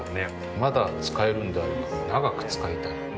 まだ使えるんであれば長く使いたい。